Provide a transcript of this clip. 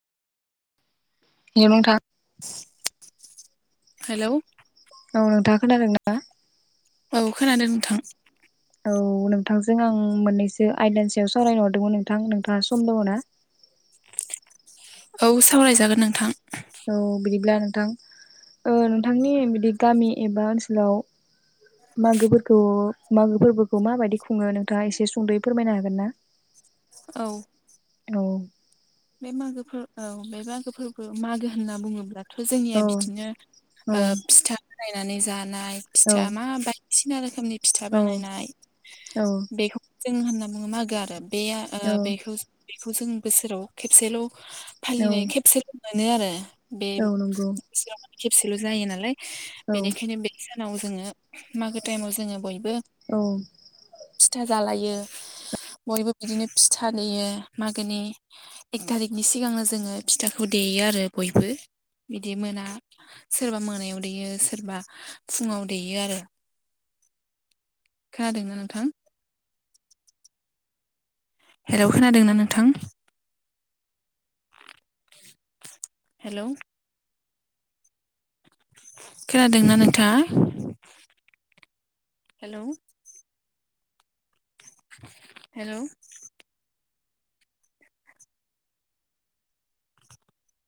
[unintelligible] [inaudible] Hello. औ नोंथाङा खोनादोंना औ खोनादों नोंथां औ नोंथांजों आं मोननैसो आयदान सआव सावरायनो हरदोंमोन नोंथां नोंथाङा सम दङ ना [inaudible] औ सावरायजागोन नोंथां। औ बिदिब्ला नोंथां नोंथांनि बिदि गामि एबा ओनसोलाव मागोफोरखौ मागो फोरबोखौ माबायदि खुङो नोंथाङा एसे सुंद'यै फोरमायनो हागोन ना [inaudible] औ। औ बे मागोफोर औ बे मागोफोरबो मागो होनना बुङोब्ला थ' जोंनिया औ बिदिनो औ फिथा बरायनानै जानाय औ फिथा माबायदि सिना रोखोमनि फिथा बानायनाय औ बेखौ जों होनना बुङो मागो आरो। बे ओ औ बेखौ बेखौ जों बोसोराव खेबसेल' फालिनाय औ खेबसेल' मोनो आरो बे औ नंगौ खेबसेल' जायो नालाय औ बेनिखायनो बे उनाव जोङो मागो टाइमाव जोङो बयबो औ फिथा जालायो। बयबो बिदिनो फिथा देयो मागोनि। एक थारिकनि सिगांनो जोङो फिथाखौ देयो आरो बयबो। बिदि मोना सोरबा मोनायाव देयो सोरबा फुङाव देयो आरो। खोदोंना नोंथां? हेराव खोनादोंना नोंथां? हेलौ। खोनादोंना नोंथां हेलौ? हेलौ।